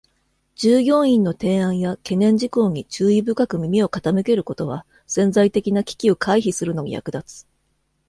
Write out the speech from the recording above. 従業員の提案や懸念事項に注意深く耳を傾けることは、潜在的な危機を回避するのに役立つ。